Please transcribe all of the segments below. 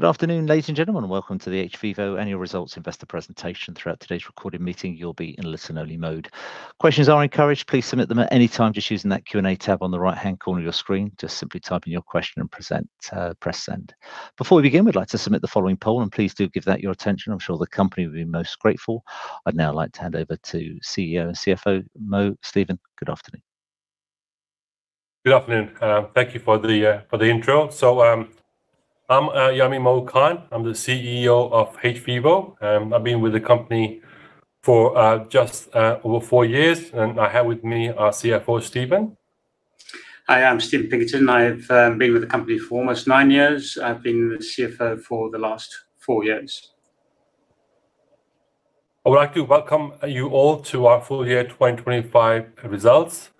Good afternoon, ladies and gentlemen. Welcome to the hVIVO Annual Results Investor Presentation. Throughout today's recorded meeting, you'll be in listen-only mode. Questions are encouraged. Please submit them at any time just using that Q&A tab on the right-hand corner of your screen. Just simply type in your question and press send. Before we begin, we'd like to submit the following poll, and please do give that your attention. I'm sure the company will be most grateful. I'd now like to hand over to CEO and CFO, Mo Stephen. Good afternoon. Good afternoon. Thank you for the intro. I'm Yamin 'Mo' Khan. I'm the CEO of hVIVO. I've been with the company for just over four years, and I have with me our CFO, Stephen. Hi, I'm Stephen Pinkerton. I've been with the company for almost nine years. I've been the CFO for the last four years. I would like to welcome you all to our full year 2025 results.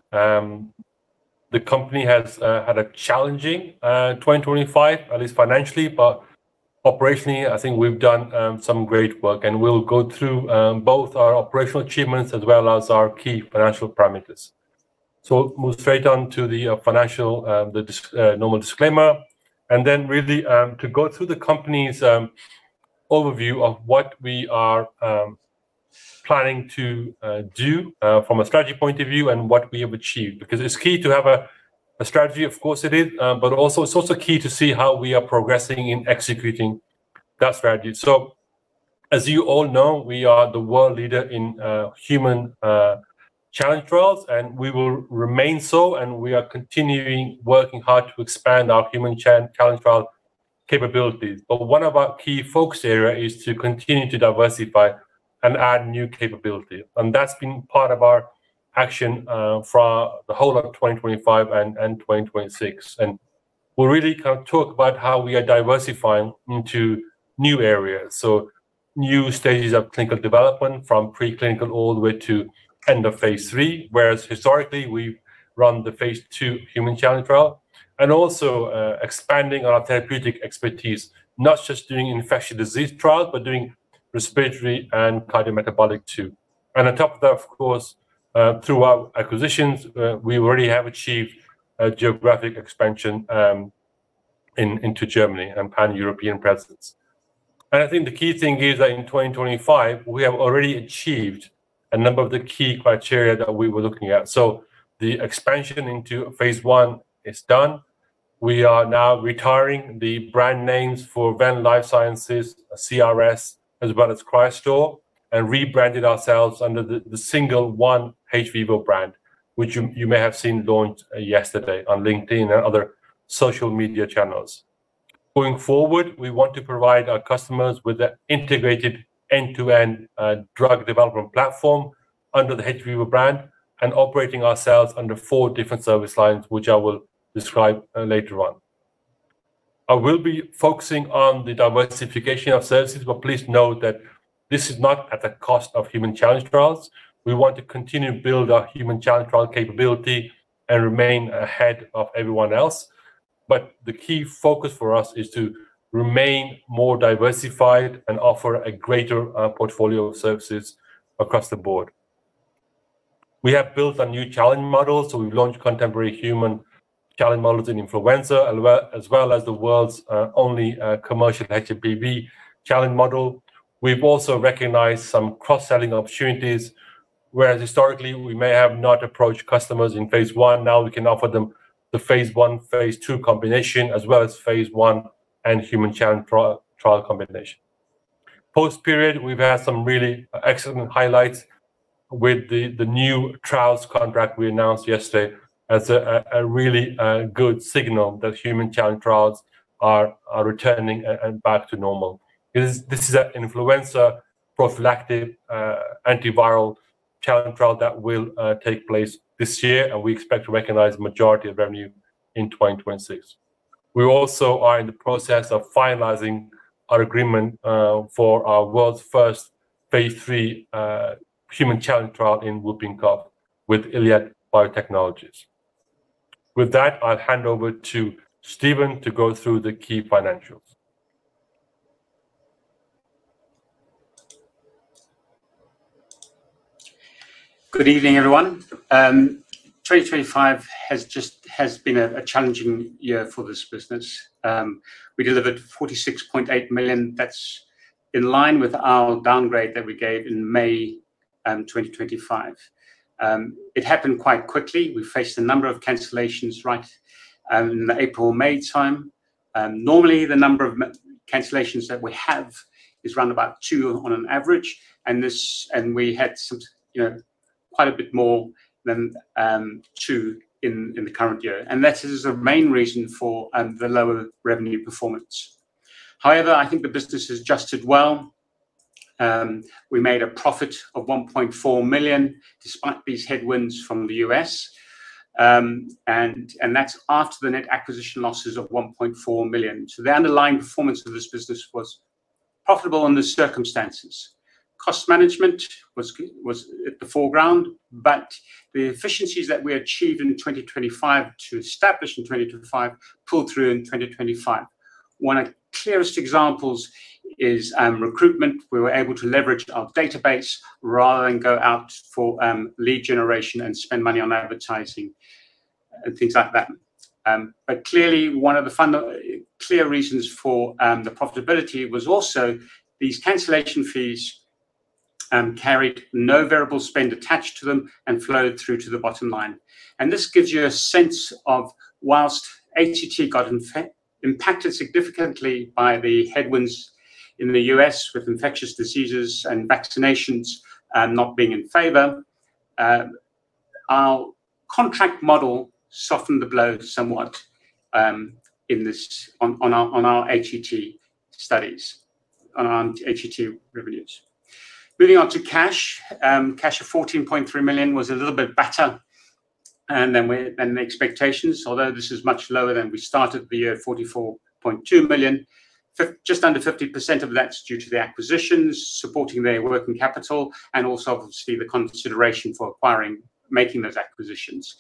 The Company has had a challenging 2025, at least financially, but operationally, I think we've done some great work. We'll go through both our operational achievements as well as our key financial parameters. We'll move straight on to the financial normal disclaimer, and then really to go through the Company's overview of what we are planning to do from a strategy point of view and what we have achieved, because it's key to have a strategy. Of course, it is. Also, it's also key to see how we are progressing in executing that strategy. As you all know, we are the world leader in human challenge trials, and we will remain so, and we are continuing working hard to expand our human challenge trial capabilities. But one of our key focus area is to continue to diversify and add new capability. And that's been part of our action for the whole of 2025 and 2026. And we'll really talk about how we are diversifying into new areas, so new stages of clinical development from pre-clinical all the way to end of phase III, whereas historically we've run the phase II human challenge trial and also expanding our therapeutic expertise, not just doing infectious disease trials, but doing respiratory and cardiometabolic too. And on top of that, of course, through our acquisitions, we already have achieved a geographic expansion into Germany and pan-European presence. And I think the key thing is that in 2025, we have already achieved a number of the key criteria that we were looking at. So the expansion into phase I is done. We are now retiring the brand names for Venn Life Sciences, CRS, as well as CryoStore, and rebranded ourselves under the single one hVIVO brand, which you may have seen launched yesterday on LinkedIn and other social media channels. Going forward, we want to provide our customers with an integrated end-to-end drug development platform under the hVIVO brand and operating ourselves under four different service lines, which I will describe later on. I will be focusing on the diversification of services, but please note that this is not at the cost of human challenge trials. We want to continue to build our human challenge trial capability and remain ahead of everyone else. The key focus for us is to remain more diversified and offer a greater portfolio of services across the board. We have built a new challenge model, so we've launched contemporary human challenge models in influenza, as well as the world's only commercial HPV challenge model. We've also recognized some cross-selling opportunities where historically we may have not approached customers in phase I. Now we can offer them the phase I, phase II combination, as well as phase I and human challenge trial combination. Post period, we've had some really excellent highlights with the new trials contract we announced yesterday as a really good signal that human challenge trials are returning and back to normal. This is an influenza prophylactic antiviral challenge trial that will take place this year, and we expect to recognize majority of revenue in 2026. We also are in the process of finalizing our agreement for our world's first phase III human challenge trial in whooping cough with iLiAD Biotechnologies. With that, I'll hand over to Stephen to go through the key financials. Good evening, everyone. 2025 has been a challenging year for this business. We delivered 46.8 million. That's in line with our downgrade that we gave in May 2025. It happened quite quickly. We faced a number of cancellations right in the April-May time. Normally, the number of cancellations that we have is around about two on an average, and we had quite a bit more than two in the current year, and that is the main reason for the lower revenue performance. However, I think the business has adjusted well. We made a profit of 1.4 million despite these headwinds from the U.S., and that's after the net acquisition losses of 1.4 million. The underlying performance of this business was profitable under the circumstances. Cost management was at the foreground, but the efficiencies that we achieved in 2025 to establish in 2025 pulled through in 2025. One of the clearest examples is recruitment. We were able to leverage our database rather than go out for lead generation and spend money on advertising and things like that. Clearly one of the clear reasons for the profitability was also these cancellation fees carried no variable spend attached to them and flowed through to the bottom line. This gives you a sense of whilst HCT got impacted significantly by the headwinds in the U.S. with infectious diseases and vaccinations not being in favor, our contract model softened the blow somewhat on our HCT studies and on HCT revenues. Moving on to cash. Cash of 14.3 million was a little bit better than the expectations, although this is much lower than we started the year, 44.2 million. Just under 50% of that's due to the acquisitions supporting their working capital and also obviously the consideration for acquiring, making those acquisitions.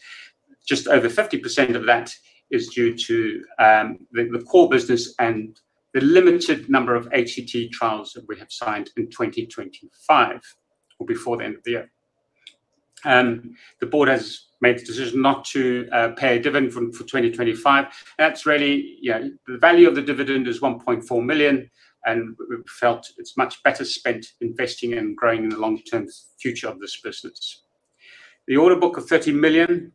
Just over 50% of that is due to the core business and the limited number of HCT trials that we have signed in 2025, or before the end of the year. The Board has made the decision not to pay a dividend for 2025. The value of the dividend is 1.4 million, and we felt it's much better spent investing and growing in the long-term future of this business. The order book of 30 million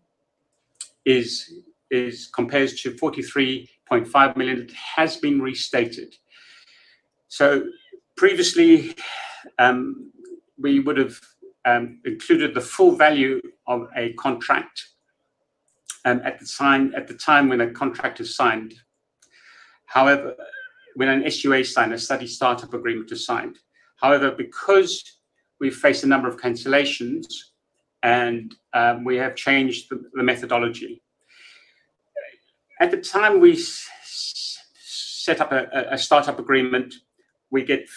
compares to 43.5 million. It has been restated. Previously, we would have included the full value of a contract at the time when a contract is signed. When an SUA is signed, a study startup agreement is signed. However, because we faced a number of cancellations, we have changed the methodology. At the time we set up a startup agreement, we get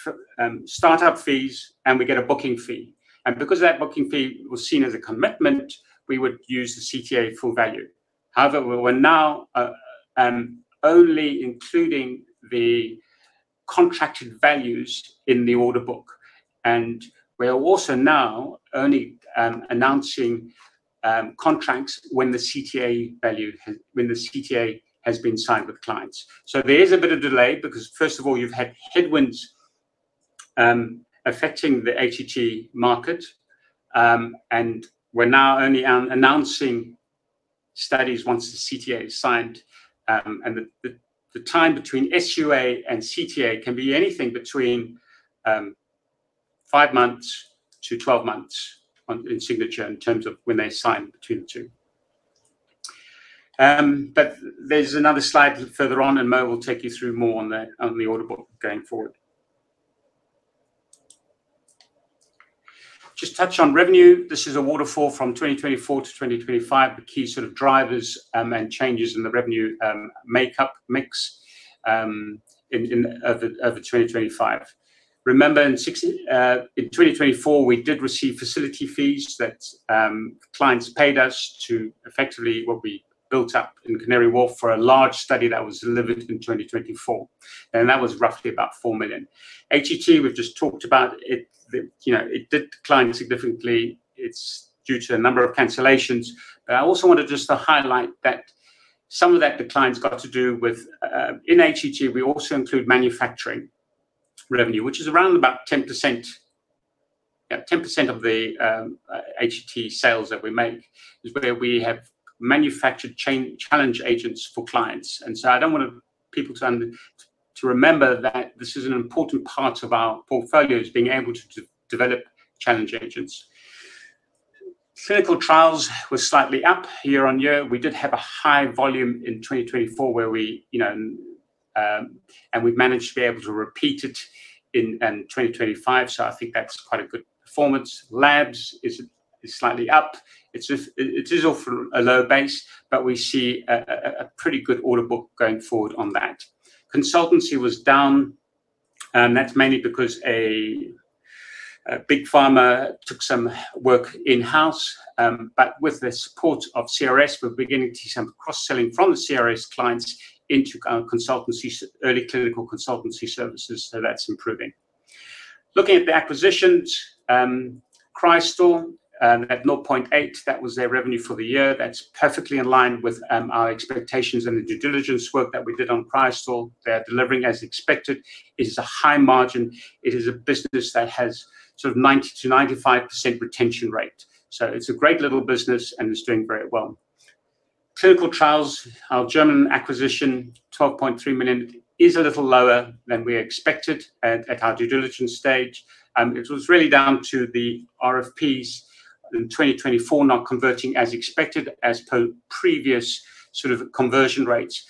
startup fees, and we get a booking fee. Because that booking fee was seen as a commitment, we would use the CTA full value. However, we're now only including the contracted values in the order book, and we are also now only announcing contracts when the CTA has been signed with clients. There is a bit of delay because first of all, you've had headwinds affecting the HCT market. We're now only announcing studies once the CTA is signed. The time between SUA and CTA can be anything between five months-12 months in signature in terms of when they sign between the two. There's another slide further on, and Mo will take you through more on the order book going forward. Just touch on revenue. This is a waterfall from 2024-2025, the key sort of drivers and changes in the revenue makeup mix over 2025. Remember in 2024, we did receive facility fees that clients paid us to effectively what we built up in Canary Wharf for a large study that was delivered in 2024. That was roughly about 4 million. HCT, we've just talked about it. It did decline significantly. It's due to a number of cancellations. I also wanted just to highlight that some of that decline's got to do with, in HCT, we also include manufacturing revenue, which is around about 10%. Yeah, 10% of the HCT sales that we make is where we have manufactured challenge agents for clients. To remember that this is an important part of our portfolio is being able to develop challenge agents. Clinical trials were slightly up year-on-year. We did have a high volume in 2024, and we've managed to be able to repeat it in 2025. I think that's quite a good performance. Labs is slightly up. It is off a low base, but we see a pretty good order book going forward on that. Consultancy was down. That's mainly because a big pharma took some work in-house. With the support of CRS, we're beginning to see some cross-selling from the CRS clients into early clinical consultancy services. That's improving. Looking at the acquisitions, CryoStore at 0.8, that was their revenue for the year. That's perfectly in line with our expectations and the due diligence work that we did on CryoStore. They're delivering as expected. It is a high margin. It is a business that has sort of 90%-95% retention rate. It's a great little business and is doing very well. CRS, our German acquisition, 12.3 million, is a little lower than we expected at our due diligence stage. It was really down to the RFPs in 2024 not converting as expected as per previous sort of conversion rates,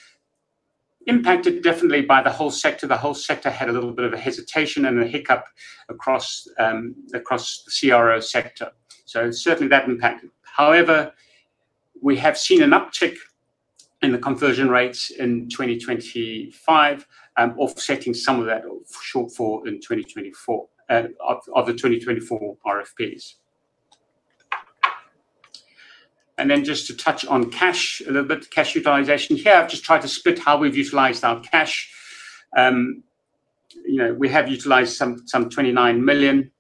impacted definitely by the whole sector. The whole sector had a little bit of a hesitation and a hiccup across the CRO sector. Certainly that impacted. However, we have seen an uptick in the conversion rates in 2025, offsetting some of that shortfall in 2024 of the 2024 RFPs. Just to touch on cash a little bit, cash utilization, here I've just tried to split how we've utilized our cash. We have utilized some 29 million.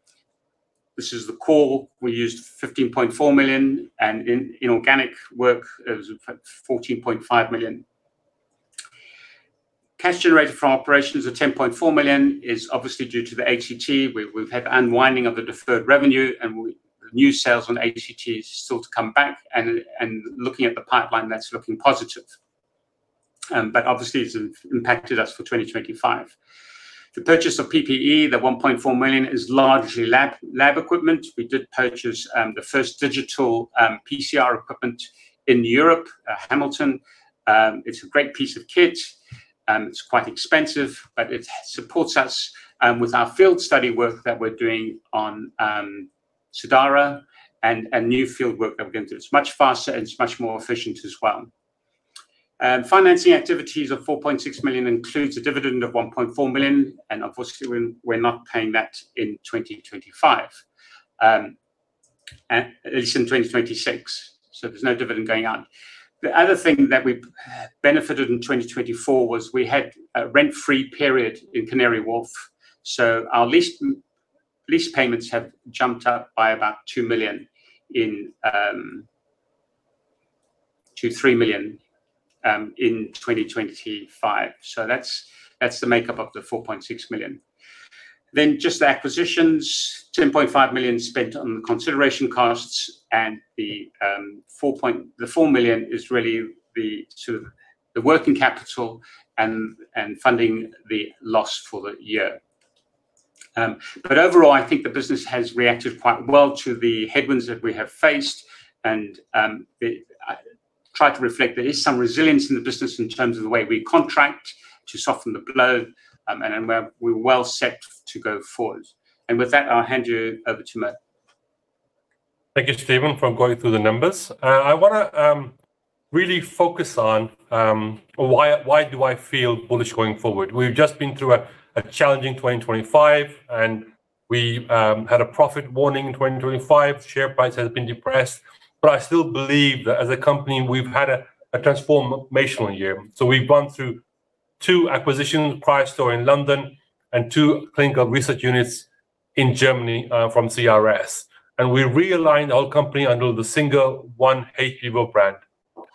We used 15.4 million, and in organic work, it was 14.5 million. Cash generated from operations of 10.4 million is obviously due to the HCT. We've had unwinding of the deferred revenue and new sales on HCT still to come back. Looking at the pipeline, that's looking positive. Obviously, it's impacted us for 2025. The purchase of PPE, the 1.4 million is largely lab equipment. We did purchase the first digital PCR equipment in Europe, Hamilton. It's a great piece of kit. It's quite expensive, but it supports us with our field study work that we're doing on Cidara and new field work that we're going to do. It's much faster, and it's much more efficient as well. Financing activities of 4.6 million includes a dividend of 1.4 million. Obviously, we're not paying that in 2025. It's in 2026, so there's no dividend going out. The other thing that we benefited in 2024 was we had a rent-free period in Canary Wharf. Our lease payments have jumped up by about 2 million-3 million in 2025. That's the makeup of the 4.6 million. Just the acquisitions, 10.5 million spent on consideration costs and the 4 million is really the sort of the working capital and funding the loss for the year. Overall, I think the business has reacted quite well to the headwinds that we have faced and tried to reflect there is some resilience in the business in terms of the way we contract to soften the blow, and we're well set to go forward. With that, I'll hand you over to Mert. Thank you, Stephen, for going through the numbers. I want to really focus on why do I feel bullish going forward. We've just been through a challenging 2025, and we had a profit warning in 2025. Share price has been depressed, but I still believe that as a company, we've had a transformational year. We've gone through two acquisitions, CryoStore in London and two clinical research units in Germany from CRS. We realigned our company under the single one hVIVO brand.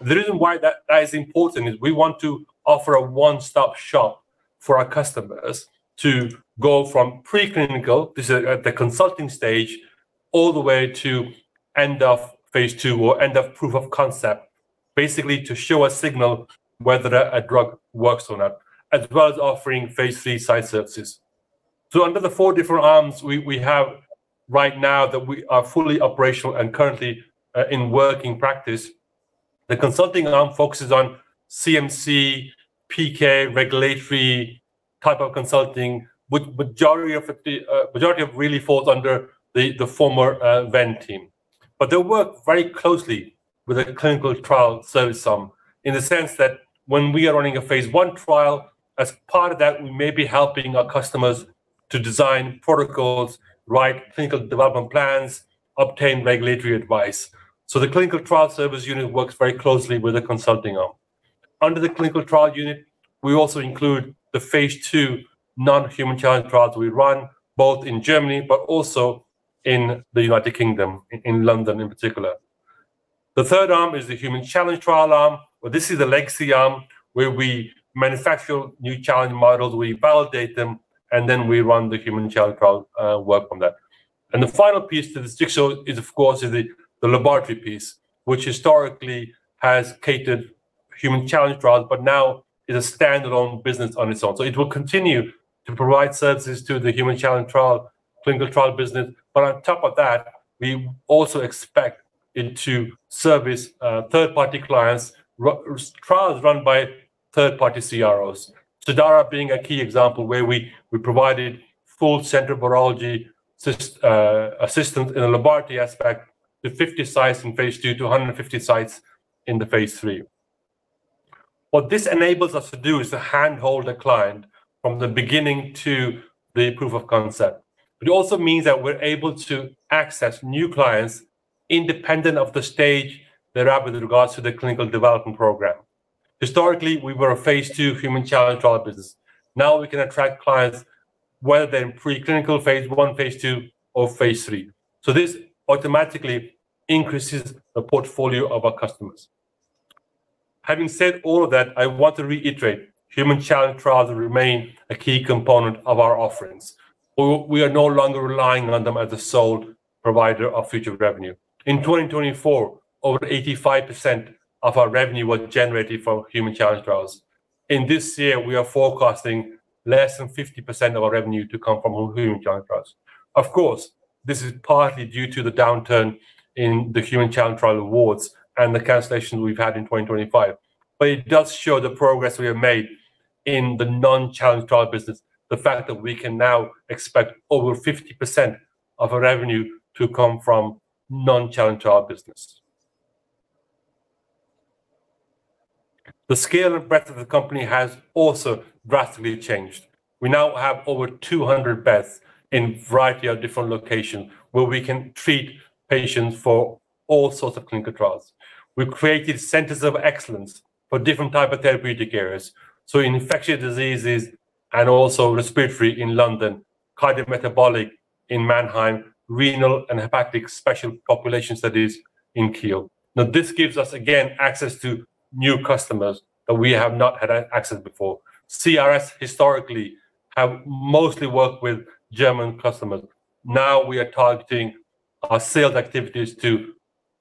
The reason why that is important is we want to offer a one-stop shop for our customers to go from preclinical, this is at the consulting stage, all the way to end of phase II or end of proof of concept, basically to show a signal whether a drug works or not, as well as offering phase III site services. Under the four different arms we have right now that we are fully operational and currently in working practice, the consulting arm focuses on CMC, PK, regulatory type of consulting. Majority of it really falls under the former Venn team. They work very closely with a clinical trial service arm in the sense that when we are running a phase I trial, as part of that, we may be helping our customers to design protocols, write clinical development plans, obtain regulatory advice. The clinical trial service unit works very closely with the consulting arm. Under the clinical trial unit, we also include the phase II non-human challenge trials we run both in Germany but also in the United Kingdom, in London in particular. The third arm is the human challenge trial arm, or this is the legacy arm, where we manufacture new challenge models, we validate them, and then we run the human challenge trial work on that. The final piece to this jigsaw is, of course, the laboratory piece, which historically has catered human challenge trials, but now is a standalone business on its own. It will continue to provide services to the human challenge trial, clinical trial business. On top of that, we also expect it to service third-party clients, trials run by third-party CROs. Cidara being a key example where we provided full central laboratory assistance in the laboratory aspect to 50 sites in phase II to 150 sites into phase III. What this enables us to do is to handhold a client from the beginning to the proof of concept. It also means that we're able to access new clients independent of the stage they're at with regards to the clinical development program. Historically, we were a phase II human challenge trial business. Now we can attract clients whether they're in preclinical phase I, phase II, or phase III. This automatically increases the portfolio of our customers. Having said all of that, I want to reiterate, human challenge trials remain a key component of our offerings. We are no longer relying on them as the sole provider of future revenue. In 2024, over 85% of our revenue was generated from human challenge trials. In this year, we are forecasting less than 50% of our revenue to come from human challenge trials. Of course, this is partly due to the downturn in the human challenge trial awards and the cancellations we've had in 2025. It does show the progress we have made in the non-challenge trial business, the fact that we can now expect over 50% of our revenue to come from non-challenge trial business. The scale and breadth of the company has also drastically changed. We now have over 200 beds in a variety of different locations where we can treat patients for all sorts of clinical trials. We've created centers of excellence for different type of therapeutic areas. In infectious diseases and also respiratory in London, cardiometabolic in Mannheim, renal and hepatic special populations studies in Kiel. Now this gives us, again, access to new customers that we have not had access before. CRS historically have mostly worked with German customers. Now we are targeting our sales activities to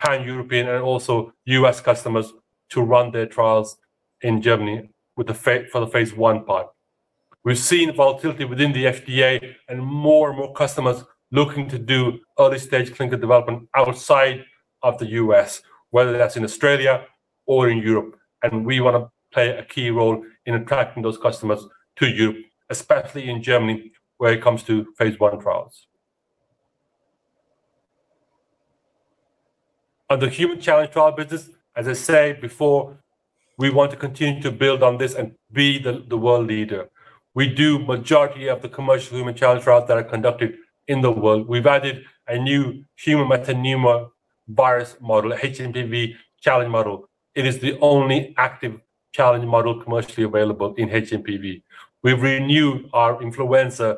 pan-European and also U.S. customers to run their trials in Germany for the phase I part. We're seeing volatility within the FDA and more and more customers looking to do early-stage clinical development outside of the U.S., whether that's in Australia or in Europe. We want to play a key role in attracting those customers to Europe, especially in Germany, when it comes to phase I trials. On the human challenge trial business, as I said before, we want to continue to build on this and be the world leader. We do majority of the commercial human challenge trials that are conducted in the world. We've added a new human metapneumovirus model, hMPV challenge model. It is the only active challenge model commercially available in hMPV. We've renewed our influenza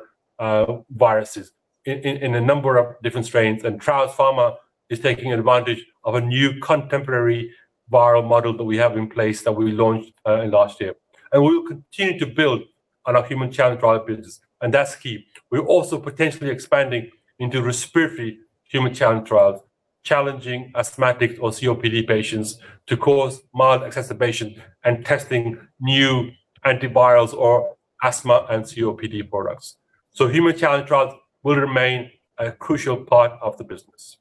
viruses in a number of different strains. Traws Pharma is taking advantage of a new contemporary viral model that we have in place that we launched last year. We will continue to build on our human challenge trial business, and that's key. We're also potentially expanding into respiratory human challenge trials, challenging asthmatic or COPD patients to cause mild exacerbation and testing new antivirals or asthma and COPD products. Human challenge trials will remain a crucial part of the business.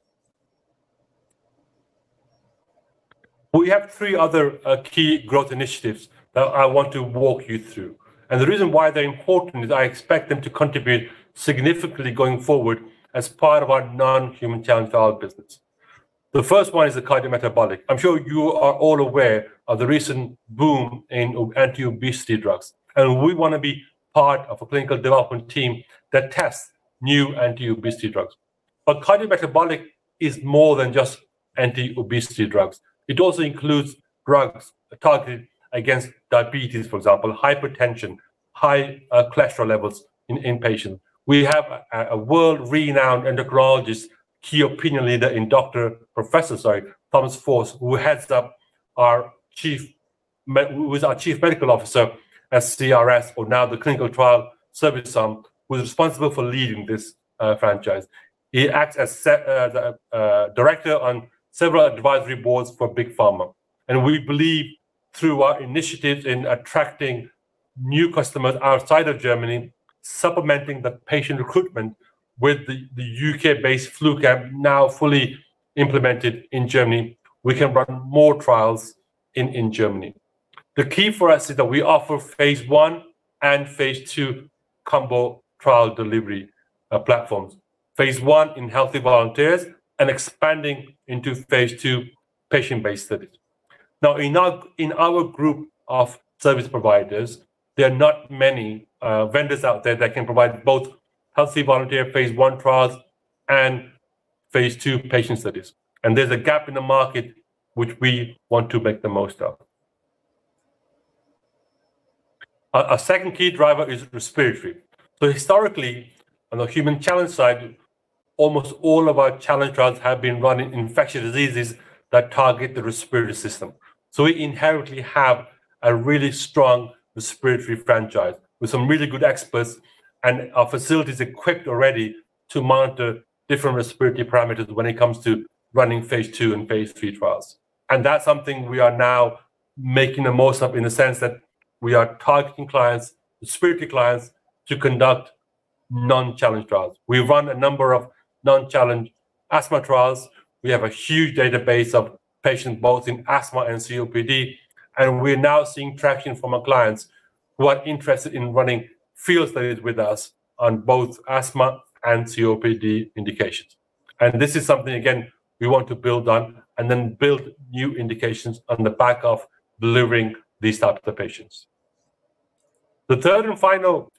We have three other key growth initiatives that I want to walk you through, and the reason why they're important is I expect them to contribute significantly going forward as part of our non-human challenge trial business. The first one is the cardiometabolic. I'm sure you are all aware of the recent boom in anti-obesity drugs, and we want to be part of a clinical development team that tests new anti-obesity drugs. Cardiometabolic is more than just anti-obesity drugs. It also includes drugs targeted against diabetes, for example, hypertension, high cholesterol levels in patients. We have a world-renowned endocrinologist, key opinion leader in Professor Thomas Forst, who was our Chief Medical Officer at CRS, or now the Clinical Trial Service arm, who's responsible for leading this franchise. He acts as Director on several advisory boards for big pharma. We believe through our initiatives in attracting new customers outside of Germany, supplementing the patient recruitment with the U.K.-based FluCamp now fully implemented in Germany, we can run more trials in Germany. The key for us is that we offer phase I and phase II combo trial delivery platforms, phase I in healthy volunteers and expanding into phase II patient-based studies. Now, in our group of service providers, there are not many vendors out there that can provide both healthy volunteer phase I trials and phase II patient studies. There's a gap in the market which we want to make the most of. A second key driver is respiratory. Historically, on the human challenge side, almost all of our challenge trials have been run in infectious diseases that target the respiratory system. We inherently have a really strong respiratory franchise with some really good experts and our facility's equipped already to monitor different respiratory parameters when it comes to running phase II and phase III trials. That's something we are now making the most of in the sense that we are targeting clients, respiratory clients, to conduct non-challenge trials. We run a number of non-challenge asthma trials. We have a huge database of patients both in asthma and COPD, and we're now seeing traction from our clients who are interested in running field studies with us on both asthma and COPD indications. This is something, again, we want to build on and then build new indications on the back of delivering these types of patients. The third and final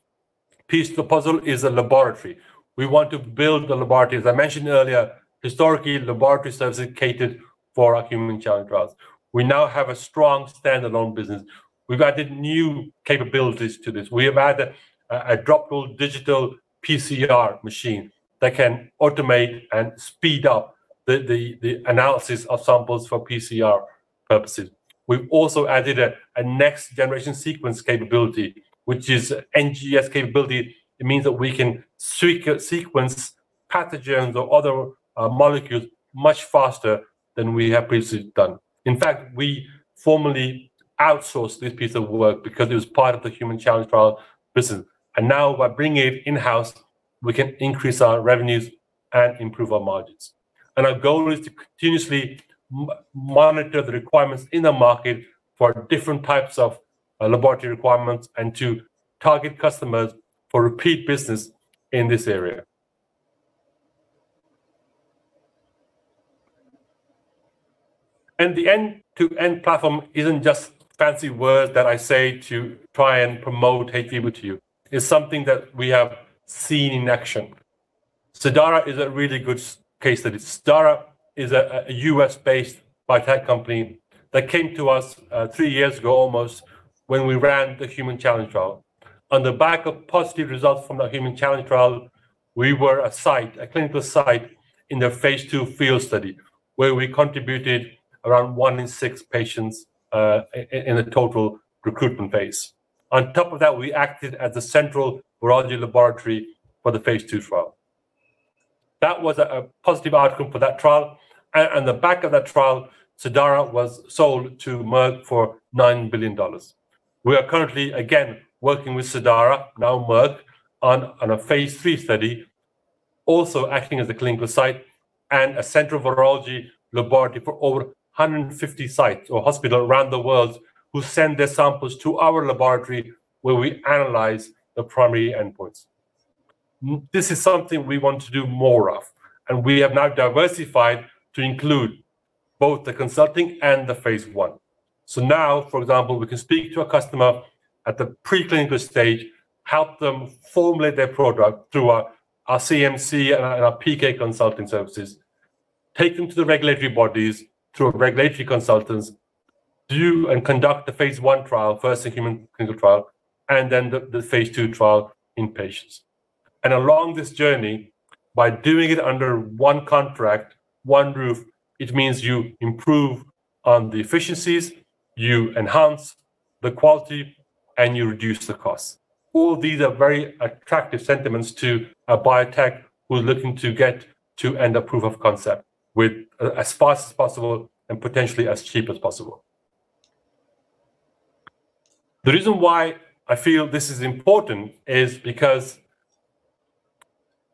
piece of the puzzle is the laboratory. We want to build the laboratory. As I mentioned earlier, historically, laboratory services catered for our human challenge trials. We now have a strong standalone business. We've added new capabilities to this. We have added a Droplet Digital PCR machine that can automate and speed up the analysis of samples for PCR purposes. We've also added a next-generation sequence capability, which is NGS capability. It means that we can sequence pathogens or other molecules much faster than we have previously done. In fact, we formerly outsourced this piece of work because it was part of the human challenge trial business. Now by bringing it in-house, we can increase our revenues and improve our margins. Our goal is to continuously monitor the requirements in the market for different types of laboratory requirements and to target customers for repeat business in this area. The end-to-end platform isn't just fancy words that I say to try and promote hVIVO to you. It's something that we have seen in action. Cidara is a really good case study. Cidara is a U.S.-based biotech company that came to us three years ago almost when we ran the human challenge trial. On the back of positive results from the human challenge trial, we were a site, a clinical site, in their phase II field study, where we contributed around one in six patients in the total recruitment phase. On top of that, we acted as a central virology laboratory for the phase II trial. That was a positive outcome for that trial, and on the back of that trial, Cidara was sold to Merck for $9 billion. We are currently, again, working with Cidara, now Merck, on a phase III study, also acting as a clinical site and a central virology laboratory for over 150 sites or hospitals around the world who send their samples to our laboratory, where we analyze the primary endpoints. This is something we want to do more of, and we have now diversified to include both the consulting and the phase I. Now, for example, we can speak to a customer at the pre-clinical stage, help them formulate their product through our CMC and our PK consulting services, take them to the regulatory bodies through our regulatory consultants, do and conduct the phase I trial, first-in-human clinical trial, and then the phase II trial in patients. Along this journey, by doing it under one contract, one roof, it means you improve on the efficiencies, you enhance the quality, and you reduce the costs. All these are very attractive sentiments to a biotech who's looking to get to end of proof of concept as fast as possible and potentially as cheap as possible. The reason why I feel this is important is because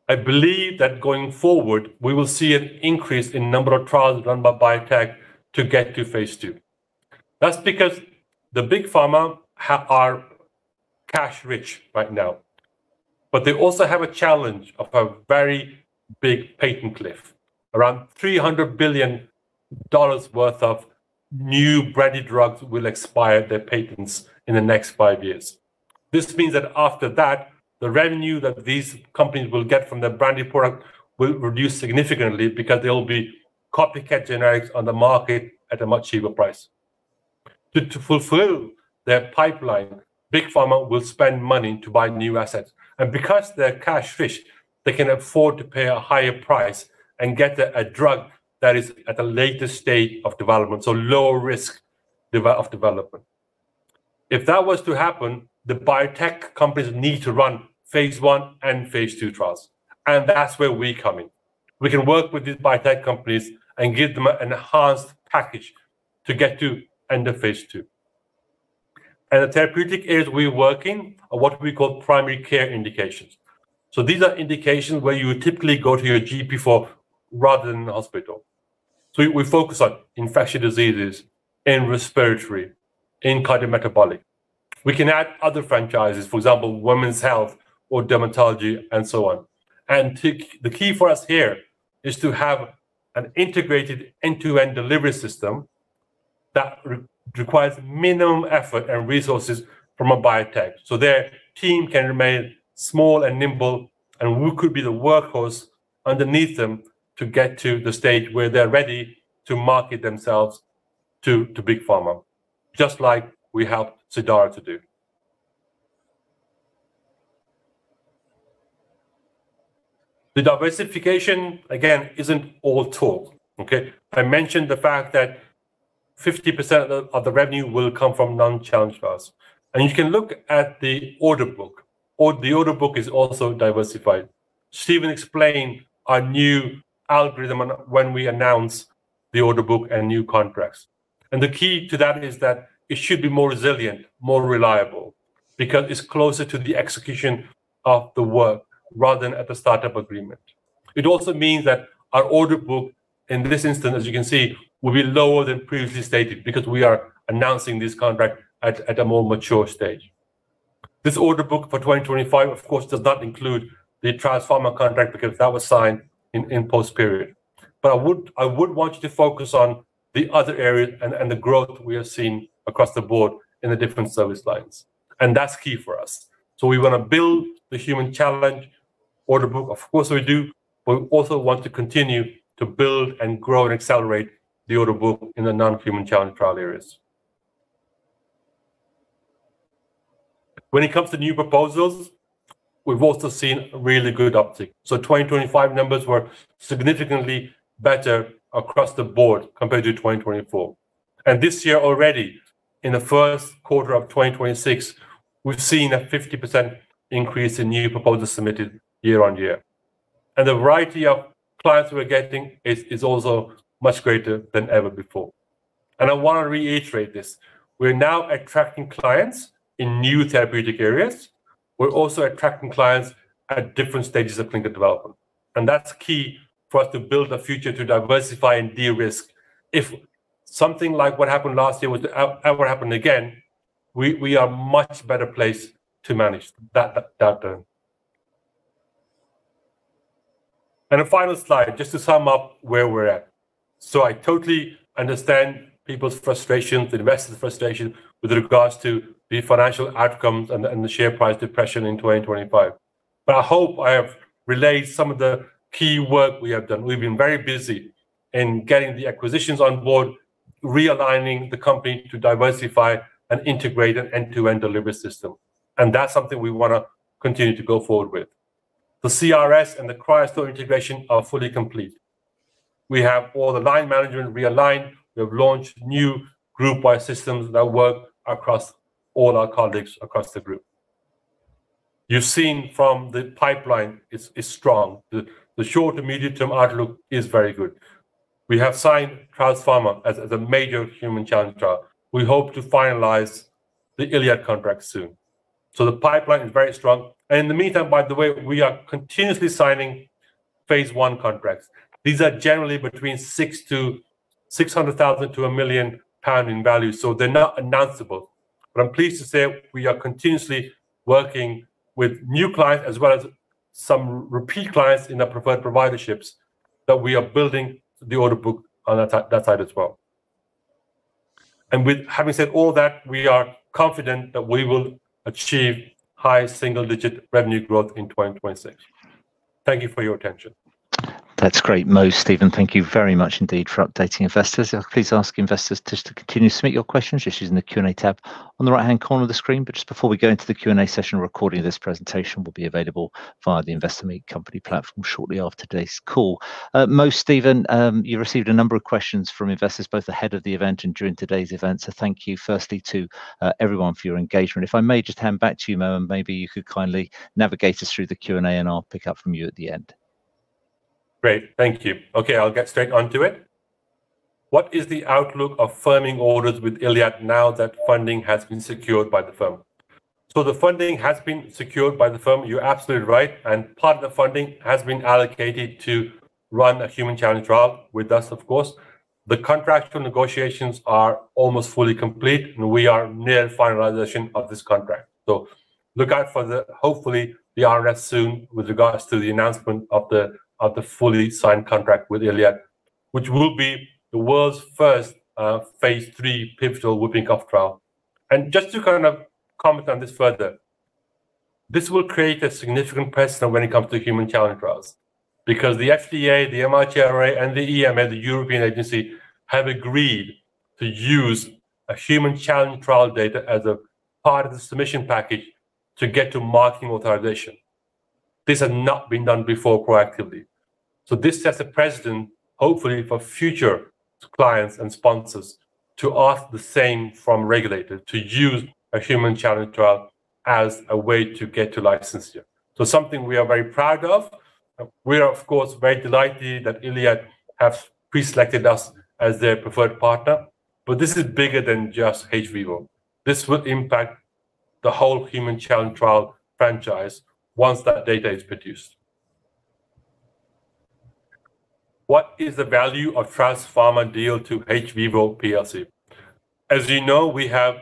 I believe that going forward, we will see an increase in number of trials run by biotech to get to phase II. That's because the big pharma are cash-rich right now, but they also have a challenge of a very big patent cliff. Around $300 billion worth of new branded drugs will expire their patents in the next five years. This means that after that, the revenue that these companies will get from their branded product will reduce significantly because there will be copycat generics on the market at a much cheaper price. To fulfill their pipeline, Big Pharma will spend money to buy new assets. Because they're cash-rich, they can afford to pay a higher price and get a drug that is at a later stage of development, so lower risk of development. If that was to happen, the biotech companies need to run phase I and phase II trials, and that's where we come in. We can work with these biotech companies and give them an enhanced package to get to end of phase II. The therapeutic areas we work in are what we call primary care indications. These are indications where you would typically go to your GP for rather than the hospital. We focus on infectious diseases, in respiratory, in cardiometabolic. We can add other franchises, for example, women's health or dermatology and so on. The key for us here is to have an integrated end-to-end delivery system that requires minimum effort and resources from a biotech, so their team can remain small and nimble, and we could be the workhorse underneath them to get to the stage where they're ready to market themselves to big pharma, just like we helped Cidara to do. The diversification, again, isn't all talk. Okay? I mentioned the fact that 50% of the revenue will come from non-challenge trials. You can look at the order book. The order book is also diversified. Stephen explained our new algorithm when we announced the order book and new contracts. The key to that is that it should be more resilient, more reliable, because it's closer to the execution of the work rather than at the start of agreement. It also means that our order book, in this instance, as you can see, will be lower than previously stated because we are announcing this contract at a more mature stage. This order book for 2025, of course, does not include the Traws Pharma contract because that was signed in post-period. I would want you to focus on the other areas and the growth we are seeing across the board in the different service lines. That's key for us. We want to build the human challenge order book. Of course we do, but we also want to continue to build and grow and accelerate the order book in the non-human challenge trial areas. When it comes to new proposals, we've also seen really good uptake. 2025 numbers were significantly better across the board compared to 2024. This year already, in the first quarter of 2026, we've seen a 50% increase in new proposals submitted year-on-year. The variety of clients we're getting is also much greater than ever before. I want to reiterate this. We're now attracting clients in new therapeutic areas. We're also attracting clients at different stages of clinical development. That's key for us to build a future to diversify and de-risk. If something like what happened last year were to ever happen again, we are much better placed to manage that downturn. A final slide just to sum up where we're at. I totally understand people's frustrations, the investor's frustration with regards to the financial outcomes and the share price depression in 2025. I hope I have relayed some of the key work we have done. We've been very busy in getting the acquisitions on board, realigning the company to diversify and integrate an end-to-end delivery system. That's something we want to continue to go forward with. The CRS and the CryoStore integration are fully complete. We have all the line management realigned. We have launched new group-wide systems that work across all our colleagues across the group. You've seen from the pipeline is strong. The short- and medium-term outlook is very good. We have signed Traws Pharma as a major human challenge trial. We hope to finalize the ILiAD contract soon. The pipeline is very strong. In the meantime, by the way, we are continuously signing phase I contracts. These are generally between 600,000-1 million pound in value, so they're not announceable. I'm pleased to say we are continuously working with new clients as well as some repeat clients in our preferred providerships that we are building the order book on that side as well. With having said all that, we are confident that we will achieve high single-digit revenue growth in 2026. Thank you for your attention. That's great, Mo, Stephen, thank you very much indeed for updating investors. Please ask investors just to continue to submit your questions using the Q&A tab on the right-hand corner of the screen. Just before we go into the Q&A session, a recording of this presentation will be available via the Investor Meet Company platform shortly after today's call. Mo, Stephen, you received a number of questions from investors both ahead of the event and during today's event. Thank you firstly to everyone for your engagement. If I may just hand back to you, Mo, and maybe you could kindly navigate us through the Q&A and I'll pick up from you at the end. Great. Thank you. Okay, I'll get straight onto it. What is the outlook of firming orders with ILiAD now that funding has been secured by the firm? The funding has been secured by the firm, you're absolutely right. Part of the funding has been allocated to run a human challenge trial with us, of course. The contractual negotiations are almost fully complete, and we are near finalization of this contract. Look out for, hopefully, the RNS soon with regards to the announcement of the fully signed contract with ILiAD, which will be the world's first phase III pivotal whooping cough trial. Just to kind of comment on this further, this will create a significant precedent when it comes to human challenge trials because the FDA, the MHRA, and the EMA, the European agency, have agreed to use a human challenge trial data as a part of the submission package to get to marketing authorization. This had not been done before proactively. This sets a precedent, hopefully, for future clients and sponsors to ask the same from regulators to use a human challenge trial as a way to get to licensure, something we are very proud of. We are, of course, very delighted that ILiAD have preselected us as their preferred partner, but this is bigger than just hVIVO. This will impact the whole human challenge trial franchise once that data is produced. What is the value of Traws Pharma deal to hVIVO plc? As you know, we have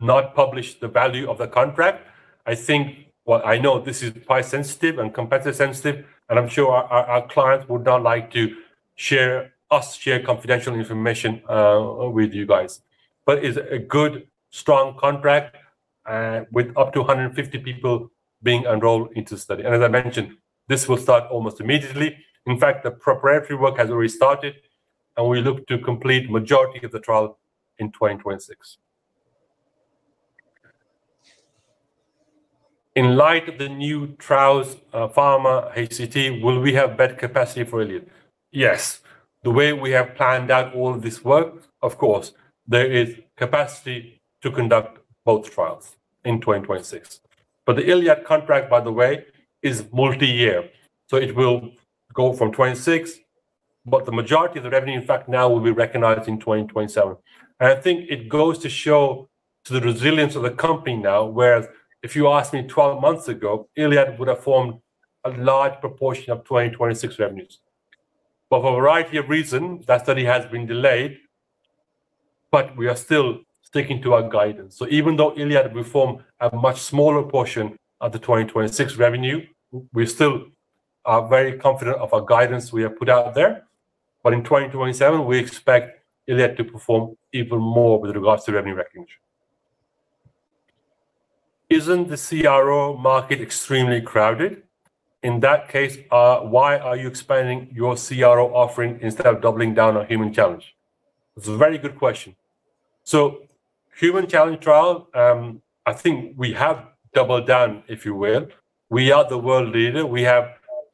not published the value of the contract. I know this is price sensitive and competitor sensitive, and I'm sure our clients would not like to us share confidential information with you guys. It's a good, strong contract with up to 150 people being enrolled into study. As I mentioned, this will start almost immediately. In fact, the preparatory work has already started, and we look to complete majority of the trial in 2026. In light of the new Traws Pharma HCT, will we have better capacity for ILiAD? Yes. The way we have planned out all this work, of course, there is capacity to conduct both trials in 2026. The ILiAD contract, by the way, is multi-year. It will go from 2026, but the majority of the revenue, in fact, now will be recognized in 2027. I think it goes to show to the resilience of the company now, whereas if you asked me 12 months ago, ILiAD would have formed a large proportion of 2026 revenues. For a variety of reasons, that study has been delayed, but we are still sticking to our guidance. Even though ILiAD will form a much smaller portion of the 2026 revenue, we still are very confident of our guidance we have put out there. In 2027, we expect ILiAD to perform even more with regards to revenue recognition. Isn't the CRO market extremely crowded? In that case, why are you expanding your CRO offering instead of doubling down on Human Challenge? It's a very good question. Human Challenge Trial, I think we have doubled down, if you will. We are the world leader. We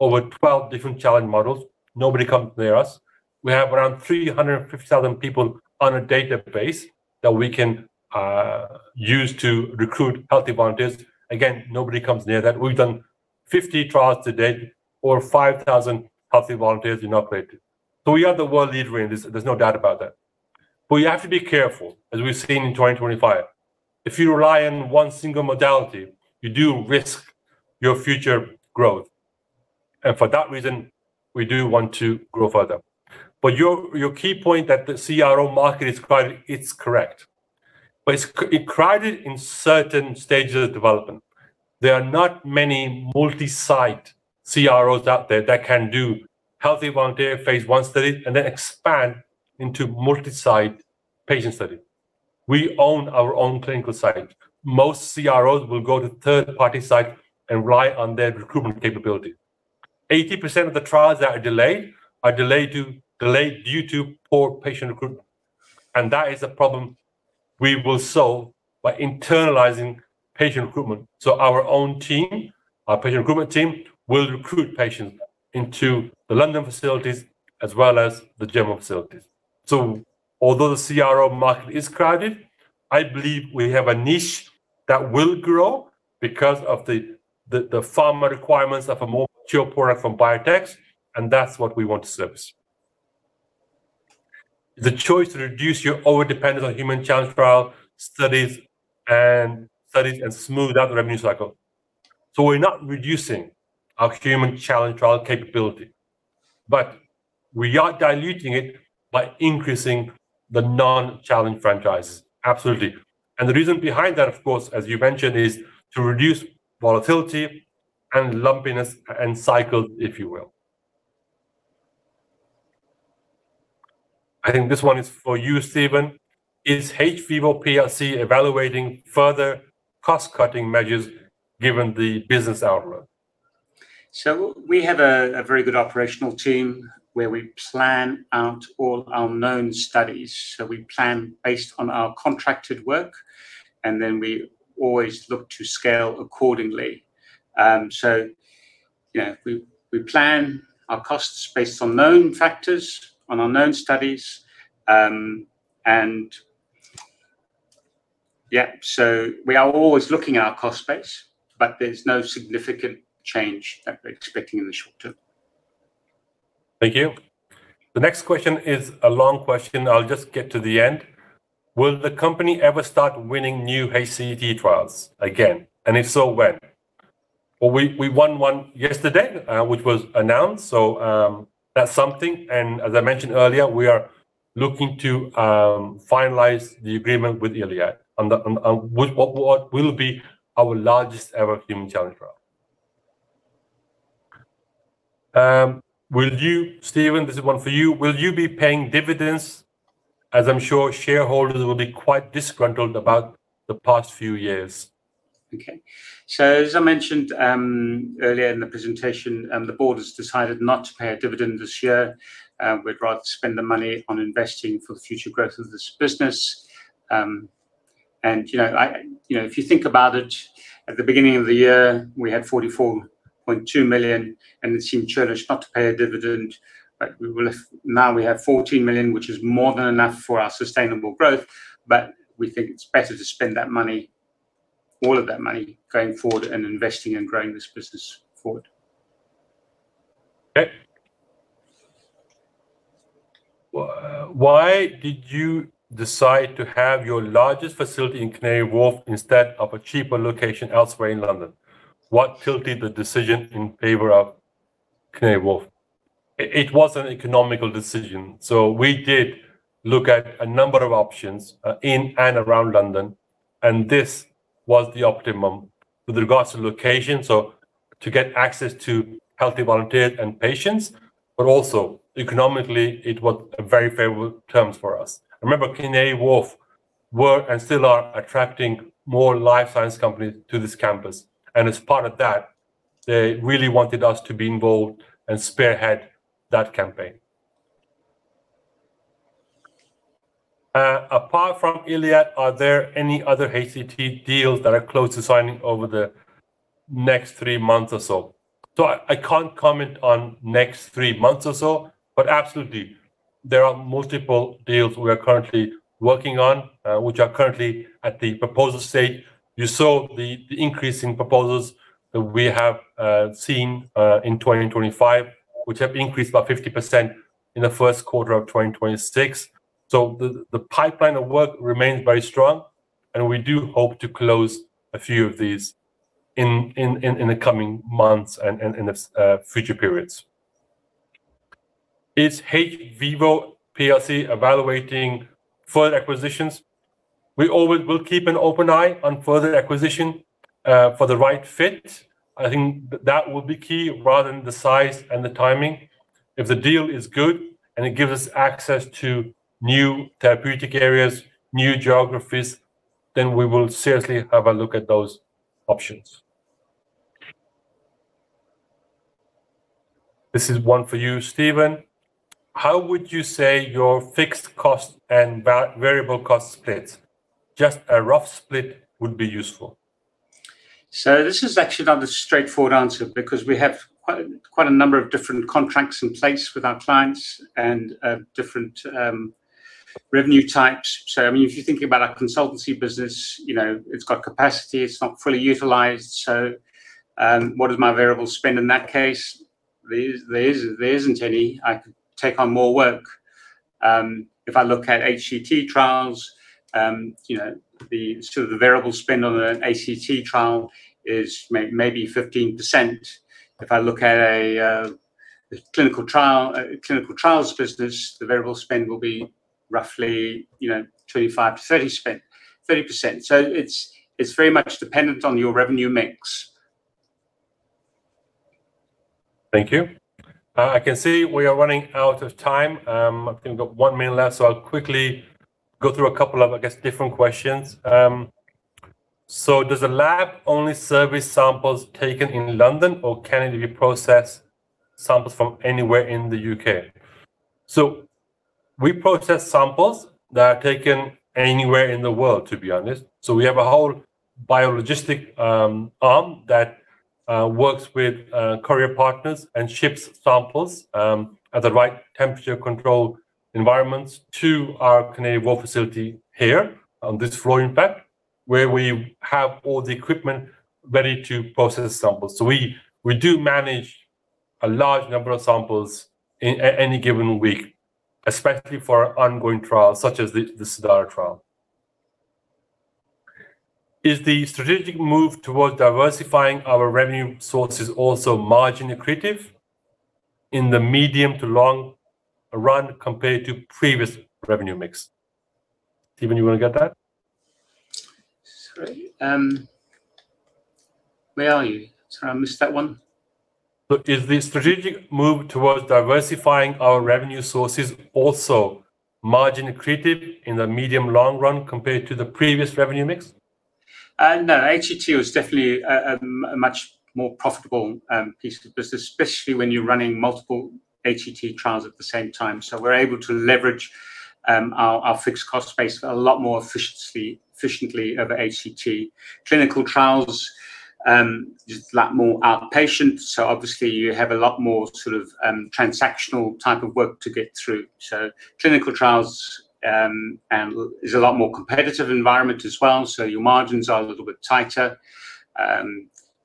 have over 12 different challenge models. Nobody comes near us. We have around 350,000 people on a database that we can use to recruit healthy volunteers. Again, nobody comes near that. We've done 50 trials to date or 5,000 healthy volunteers in our database. We are the world leader in this. There's no doubt about that. You have to be careful, as we've seen in 2025. If you rely on one single modality, you do risk your future growth. For that reason, we do want to grow further. Your key point that the CRO market is crowded, it's correct. It's crowded in certain stages of development. There are not many multi-site CROs out there that can do healthy volunteer phase I studies and then expand into multi-site patient studies. We own our own clinical site. Most CROs will go to third-party sites and rely on their recruitment capability. 80% of the trials that are delayed are delayed due to poor patient recruitment, and that is a problem we will solve by internalizing patient recruitment. Our own team, our patient recruitment team, will recruit patients into the London facilities as well as the general facilities. Although the CRO market is crowded, I believe we have a niche that will grow because of the pharma requirements of a more product from biotechs, and that's what we want to service. The choice to reduce your over-dependence on human challenge trial studies and smooth out the revenue cycle. We're not reducing our human challenge trial capability, but we are diluting it by increasing the non-challenge franchises. Absolutely. The reason behind that, of course, as you mentioned, is to reduce volatility and lumpiness and cycle, if you will. I think this one is for you, Stephen. Is hVIVO plc evaluating further cost-cutting measures given the business outlook? We have a very good operational team where we plan out all our known studies. We plan based on our contracted work, and then we always look to scale accordingly. Yeah, we plan our costs based on known factors, on our known studies. We are always looking at our cost base, but there's no significant change that we're expecting in the short term. Thank you. The next question is a long question. I'll just get to the end. Will the company ever start winning new HCT trials again, and if so, when? Well, we won one yesterday, which was announced, so that's something. As I mentioned earlier, we are looking to finalize the agreement with ILiAD on what will be our largest ever human challenge trial. Stephen, this is one for you. Will you be paying dividends, as I'm sure shareholders will be quite disgruntled about the past few years? Okay. As I mentioned earlier in the presentation, the Board has decided not to pay a dividend this year. We'd rather spend the money on investing for the future growth of this business. If you think about it, at the beginning of the year, we had 44.2 million, and it seemed churlish not to pay a dividend. Now we have 14 million, which is more than enough for our sustainable growth. We think it's better to spend that money, all of that money, going forward and investing and growing this business forward. Okay. "Why did you decide to have your largest facility in Canary Wharf instead of a cheaper location elsewhere in London? What tilted the decision in favor of Canary Wharf?" It was an economical decision. So we did look at a number of options in and around London, and this was the optimum with regards to location. So to get access to healthy volunteers and patients, but also economically, it was a very favorable terms for us. Remember, Canary Wharf were and still are attracting more life science companies to this campus. And as part of that, they really wanted us to be involved and spearhead that campaign. "Apart from ILiAD, are there any other HCT deals that are close to signing over the next three months or so?" So I can't comment on next three months or so, but absolutely. There are multiple deals we are currently working on, which are currently at the proposal stage. You saw the increase in proposals that we have seen in 2025, which have increased by 50% in the first quarter of 2026. The pipeline of work remains very strong, and we do hope to close a few of these in the coming months and in the future periods. Is hVIVO plc evaluating further acquisitions? We always will keep an open eye on further acquisition for the right fit. I think that will be key rather than the size and the timing. If the deal is good and it gives us access to new therapeutic areas, new geographies, then we will seriously have a look at those options. This is one for you, Stephen. How would you say your fixed cost and variable cost splits? Just a rough split would be useful. This is actually not a straightforward answer because we have quite a number of different contracts in place with our clients and different revenue types. If you're thinking about our consultancy business, it's got capacity. It's not fully utilized. What is my variable spend in that case? There isn't any. I could take on more work. If I look at HCT trials, the variable spend on an HCT trial is maybe 15%. If I look at a clinical trials business, the variable spend will be roughly 25%-30%. It's very much dependent on your revenue mix. Thank you. I can see we are running out of time. I've only got one minute left, so I'll quickly go through a couple of, I guess, different questions. Does the lab only service samples taken in London, or can it be processed samples from anywhere in the U.K.? We process samples that are taken anywhere in the world, to be honest. We have a whole biologistic arm that works with courier partners and ships samples, at the right temperature controlled environments, to our Canary Wharf facility here on this floor, in fact, where we have all the equipment ready to process samples. We do manage a large number of samples in any given week, especially for our ongoing trials, such as the Cidara trial. Is the strategic move towards diversifying our revenue sources also margin accretive in the medium to long run compared to previous revenue mix? Stephen, you want to get that? Sorry, where are you? Sorry, I missed that one. Is the strategic move towards diversifying our revenue sources also margin accretive in the medium-long run compared to the previous revenue mix? No. HCT is definitely a much more profitable piece of the business, especially when you're running multiple HCT trials at the same time. We're able to leverage our fixed cost base a lot more efficiently over HCT. Clinical Trials, there's a lot more outpatients, so obviously you have a lot more sort of transactional type of work to get through. Clinical Trials is a lot more competitive environment as well, so your margins are a little bit tighter.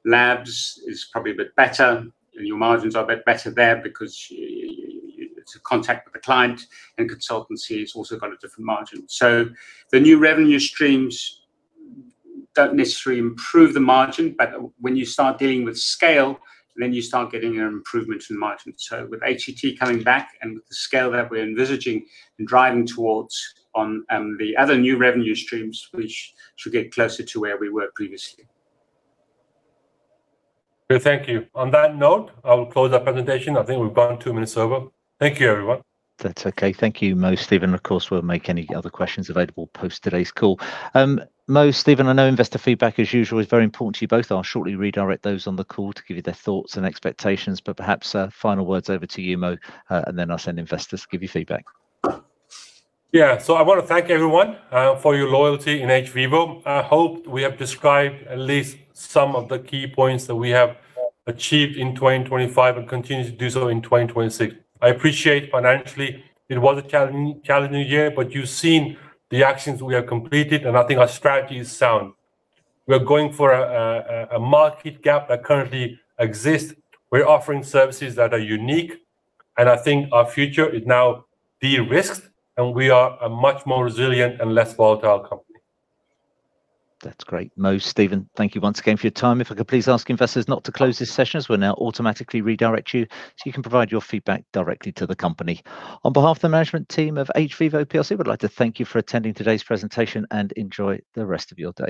Labs is probably a bit better, and your margins are a bit better there because it's a contact with the client. Consultancy has also got a different margin. The new revenue streams don't necessarily improve the margin, but when you start dealing with scale, then you start getting an improvement in margin. With HCT coming back and with the scale that we're envisaging and driving towards on the other new revenue streams, which should get closer to where we were previously. Good. Thank you. On that note, I will close our presentation. I think we've gone two minutes over. Thank you, everyone. That's okay. Thank you, Mo, Stephen. Of course, we'll make any other questions available post today's call. Mo, Stephen, I know investor feedback, as usual, is very important to you both. I'll shortly redirect those on the call to give you their thoughts and expectations, but perhaps final words over to you, Mo, and then I'll send investors to give you feedback. Yeah. I want to thank everyone for your loyalty in hVIVO. I hope we have described at least some of the key points that we have achieved in 2025 and continue to do so in 2026. I appreciate financially it was a challenging year, but you've seen the actions we have completed, and I think our strategy is sound. We are going for a market gap that currently exists. We're offering services that are unique, and I think our future is now de-risked, and we are a much more resilient and less volatile company. That's great. Mo, Stephen, thank you once again for your time. If I could please ask investors not to close this session, as we'll now automatically redirect you so you can provide your feedback directly to the company. On behalf of the management team of hVIVO plc, we'd like to thank you for attending today's presentation, and enjoy the rest of your day.